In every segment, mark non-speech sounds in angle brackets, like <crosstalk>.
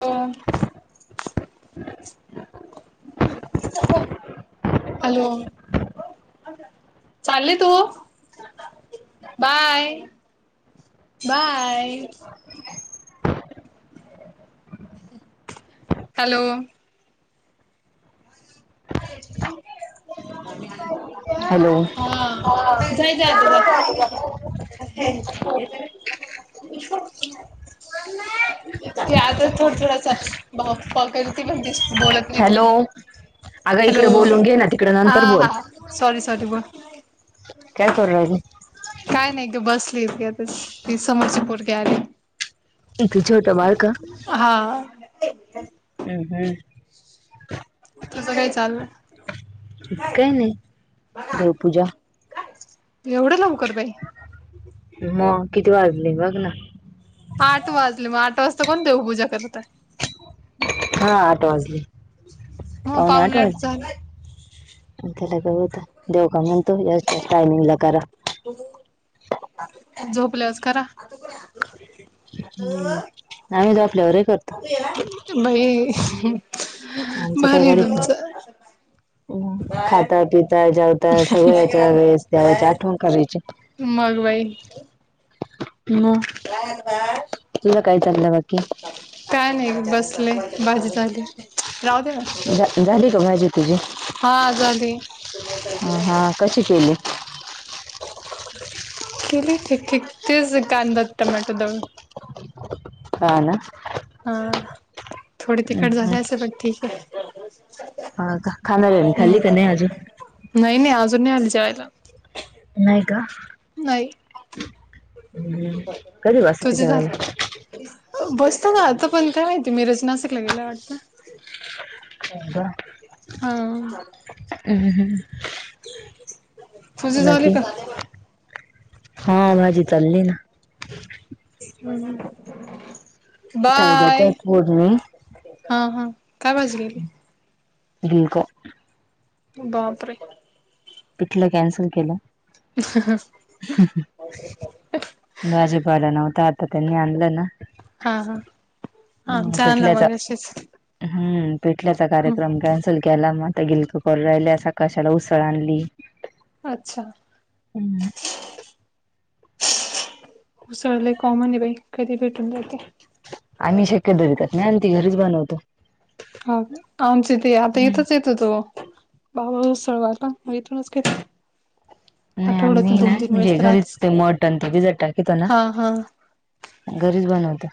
कोण- हॅलो- चांल्ली तू? Bye- bye. हॅलो- <inaudible> हॅलो हां जायचंय आत्ता जा. <unintelligible> ते आता थोड थोडासा भा पकडती म्हणजेच बोलत नाही तोंडानी - अंग इकडें बोलून घे नां तिकडे हा नंतर बोल. हा सॉरी सॉरी बोल- काय करू राहीली? काय नाही गं बसलीय गे ती समोरची पोरगी आलीये - इथ छोट बारक- हां. हम् हम्. तसं काय चाललंय. काही नाही देवपूजा. एवढं लवकर बाई मग किती वाजले बघ ना. आठ वाजले मग आठ वाजता कोण देवपूजा करतय हा आठ वाजले मग पाहुणे आठचाला मला ग होत देव कामणंतु येस् टामिंग कारार <unintelligible> झोपल्यावरच करा <unintelligible> हम्म आम्ही झोपल्यावरी करतो. <unintelligible> भइ <unintelligible> आमचं काय गाडीत ये, उ खाता पिता जेव आता सगळ्याहेच्या वेळेस देवाची आठवण करायची. मग बाई म. कानवा <unintelligible> तुला काय चाललं बाकी. काय नाही बसले, भाजी चालीय राहूद्या झा- झाली ना का भाजी हा झाली अ हा कशी केली? केली ठीक ठीक तेच कांदा टमॅटो दळून हा ना हा थोडी तिखट हम्म, झाले अस पण ठीक ये हा का? खाणाऱ्याने खाल्लि का नाही आजून? नाही नाही अजून नाही आली जेवायला नाही का? नाही हम्म. कधी वाजता तुझी तुझ्या झा <unintelligible> बसत ना आता, पण काय माहिती मिरच नाशिकला गेला वाटत <unintelligible> हा <unintelligible> उ हम्म. तुझी झाली बाकी का हा भाजी चालली ना <unintelligible> ताई बाय देतायत फोडणी हा हा, काय भाजी केली? <unintelligible> का बापरे! पिठलं कॅन्सल केलं. <inaudible> भाजी पाला नव्हता, आता त्यांनी आणलं ना हा हा, हम्म, आमचं आणलं पिठल्याचा मगाशीच हम्म पिटल्याचा हम्म. कार्यक्रम कॅन्सल केला म आता गिलक करु राहिल्या सकाशाला उसळ आणली. अच्छा! हम्म. उसळ लय कॉमन ये बाई, कधी ही भेटून जाते. आम्ही शक्यतो विकत नाही आणते, घरीच बनवतो. हा का? आमचे ते आता हम्म. इथच येत होतो ओ बाबा उसळवाटा म इथूनच <unintelligible> नाही आठवड्यातून आम्ही ना दोन तीन म्हणजे वेळेस तर घरीच राहतेच. ते मटन ते भिजत टाकीतो ना हा हा घरीच बनवतो.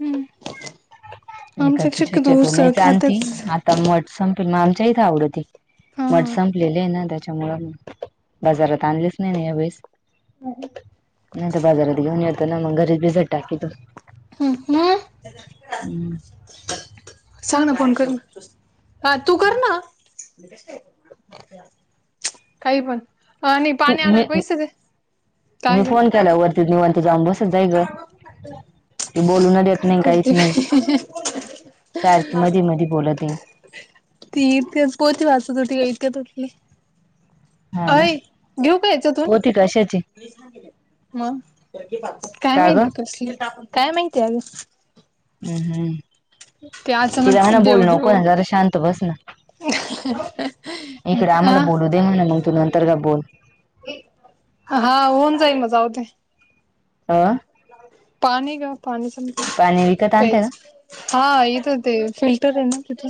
हम् आमच्यात शक्यतो उसळ खातच ता मठ संपेल ना आमच्या इथ आवडते. हा. मठ संपलेले यै ना त्याच्यामुळ, बाजारात आणलेच नाही ना यावेेळेस नाही तर बाजारात घेऊन येतो ना मंग घरी भिजत टाकीेतो हम् हम् उम्म. सांग ना कोण करी? हा तू कर ना, मी कशी काय <unintelligible> काही पण आणि तू पाणी मी आणायला पैसे दे मी काय ग फोन केला वरती निवांत जाऊन बसत जाय गं <unintelligible> ती बोलन देत काय नई, काहीच करते नई, बाई सारखी मधी मधी बोलते <inaudible> ती इथेच पोती वाचत होती <unintelligible> त्यातली हा ना. अय घेऊ का याच्यातून पोती कशाची म काय का ग माहिती कसली, काय माहिती आग हम्म हम्म ते तिला अचानक म्हण देव बोलु नको देव ना जरा शांत बस ना. इकडे अ आम्हाला बोलू दे. म्हणा मग तू नंतरन बोल. हा होऊन जाईल ना जाऊदे. अ पाणी गं पाणी पाणी संपले विकत आणते का प्यायच. हा येते ते फिल्टर आहे ना तिथे.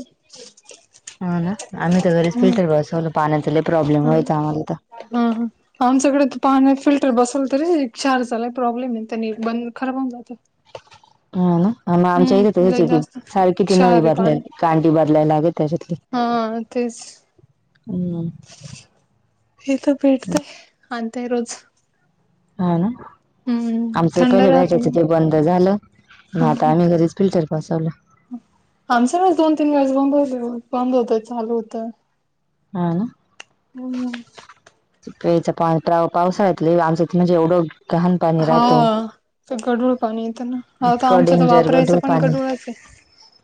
हा ना आम्ही तर घरीच हम्म फिल्टर बसवलो. पाण्याचा प्रॉब्लेम व्हायचा आम्हाला तर. हम हा आमच्याकडे पाणी फिल्टर बसल तरी चार झाला प्रॉब्लेम आहे त्यानी बंद खराब होऊन जातं. हा ना मग आमच्या इथे लय जास्त त्याच्यासारखी ती क्षार नळी आहे पाणी बदलायला काठी बदलायला लागे त्याच्यातली. हा तेच हम् ईथ भेटते आणते रोज हा ना हम्म आमच थंड पहिले राहत भेटायचं ते बंद झालं. मग आता आम्ही घरीच. फिल्टर बसवला. आमच्या वेळेस दोन तीन वेळेस बंद होते. बंद होत चालू होतं. हा ना, प्यायच्या पान्याचा पावसाळ्यात लय आमचं म्हणजे एवढं घाण पाणी हा राहतं तर गडूळ पाणी येत ना. आता इतकं आमच्यात तर डेंजर वापरायचं गढूळ पण पाणी गडूळ च आहे.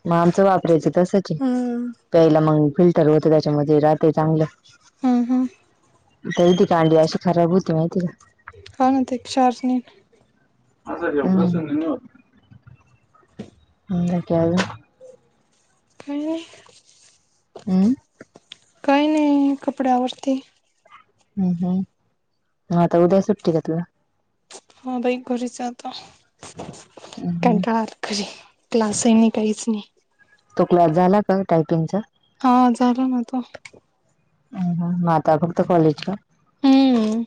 मग आमचं वापरायच तसंच आहे. हम्म प्यायला मग फिल्टर होत त्याच्यामध्ये राहते चांगलं. हा हा तरी ती कांडी अशी खराब होती माहिती का पाण्याचा काही त्रास नाही. हम अ काय हो हॅलो हम्म काही नाही कपडे आवरती. हम् हम् हा आता उद्या सुट्टी घेतली आहे. हा बाईक घरीच आहे. आता हम्म हम्म कंटाळा आलता घरी क्लासही नाही काहीच नाही. तो क्लास झाला का टायपिंगचा? हा झालं ना आता. हा मगं आता फक्त कॉलेज का? हम्म,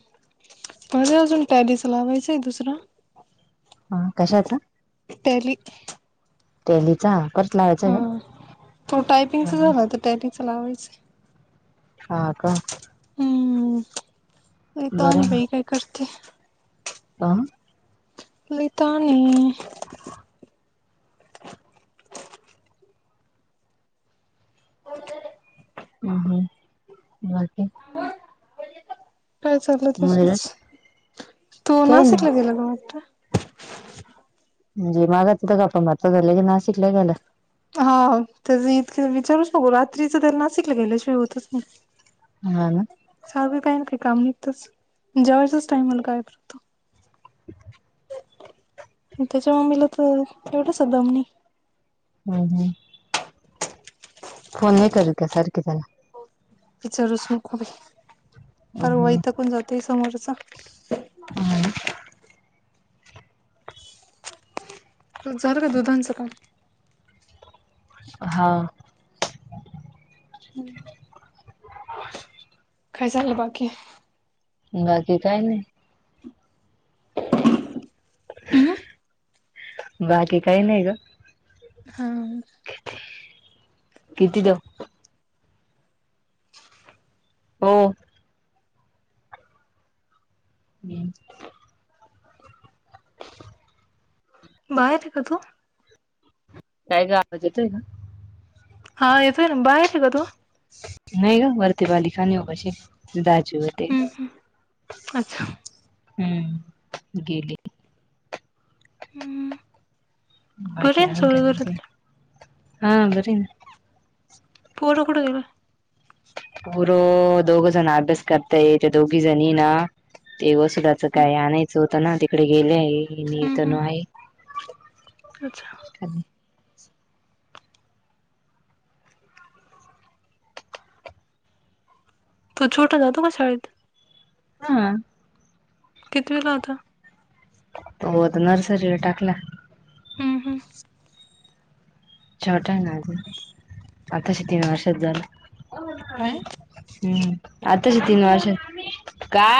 बघू अजून टॅलीच लावायचय दुसरा. हा कशाचा? टॅली टॅलीचा कर. हा तो टायपिंगच झालं आता टॅलीचा लावायचं. हा का. हम्म, नाही बाई काय करते. ह. लई ताण आहे. हम, हम, बाकीे <unintelligible> काय चाललं नीरज तसच, तू काही नाही नाशिकला गेलाला वाटत? म्हणजे माझं कुठ जात ना, झालं की नाशिकलं झालं. हा त्याच इतके विचारूच नको रात्रीच तर नाशिकला गेल्याशिवाय होतच नाहि. हा चाय काय ना काही काम निघतच जेवयच्याच टाइमला काय होतो. त्याच्या मम्मीला तर एवढंच बामणी हम हा फोन नाही करू का सारखे त्याला विचारूच नको हम्म, परवा इथ कोण जातय समोरचा हम तुझं झालं का दुधांचं काम? हा. काय चालाय बाकी. बाकी काही नाही. हम्म बाकी काही नाही गं. हा. किती दिव हो. हम्! बाहेर आहे का तू? काय गं आवाज येतोय ना. हा येतोय ना. बाहेर आहे का तू? नाही गं वरती <inaudible> तेच, हम्म हम्म अच्छा हम्म! गेली. हम्म बरे आहे ना सगळे घरातले <inaudible> पोर कुठं <unintelligible> पोर दोघ जण अभ्यास करताय येत दोघी जणी ना ते वसुलाचं काय आणायचं होतं ना तिकडे गेले आहे. आणि हम्म तनु हम्म आहे. अच्छा तो छोटा जातो का शाळेत? हा. कितवीला आता? हो, आता नर्सरीला टाकला. हम्, हम्म! छोटा आहे ना आजून आताशी तीन वर्षाचा झाला. काय हम्म! आताच तीन वर्ष.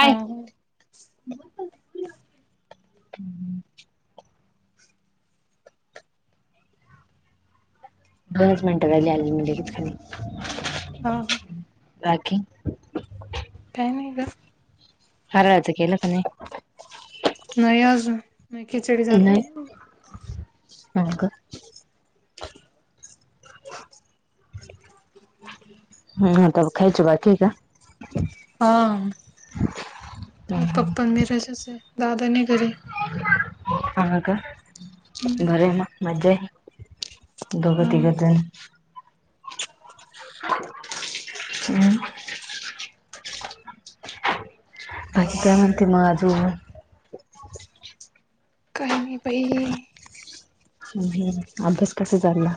हा ह. <inaudible> <inaudible> हा ह. बाकी काय नाही का हरळज के लख नाही नाही आज नाही खिचडी झाली ह का अ् ह त खयच बा ठीक आहे हा पप्प मेराजच आहे दादाने घरी आ का बरे म मजा दोग हा त गजन <inaudible> हम् बाकी काय म्हणते मगं अजून? काहीही बाई. हम्म, हम्म! अभ्यास कसा चालला?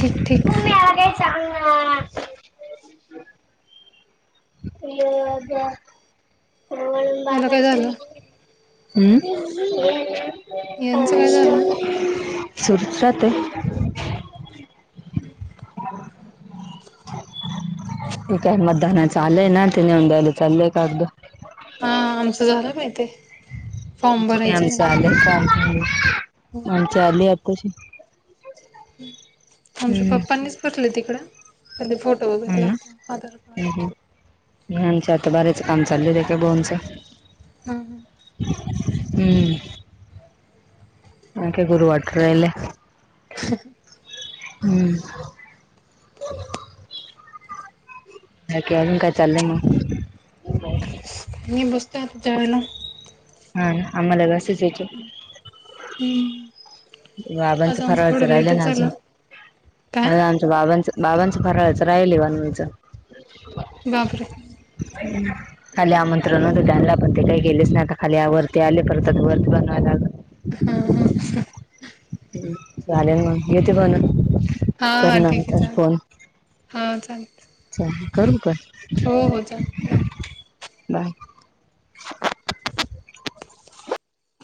ठीक ठीक. े <inaudible> <inaudible> हम्म! <unintelligible> याला काय झालं यांचं काय झालं सुरूच राहतोय हे काय मदानाच आलय ना ते नेऊन दयायला चाललंय कागद हा आमचं झालं माहिती आहे आमच अलय कागद आमच अलय अत्ताशी आमच्या पप्पांनीच पोचलय तिकडे पण ते फोटो हो वगैरे लागते आधार कार्ड ह्यांच आता बऱ्याच काम चाललय रेका बोनचं <inaudible> हम्म आणि काय बर वाटून रायलय हम्म बाकी अजून काय चालले मग मी बस तो आतो जायला हा आम्हाला ग असचयच हम्म आज बाबांचा आमचं फराळाच थोडं राहिला ना लेटच अजून झालं काय बाबांचं बाबांचं फराळाचं राहिल बनवायचं बापरे <inaudible> खाली आ मंत्र नला पते काही गेल्ले स्नाक खाली आ वरती आली पररतात वरती बनवायला हा हा ह चालेल मग येते बण हा कर हा ठीक आहे नंतर चालेल फोन हा चाल. तय चल करू बांद चालेल बाय बाय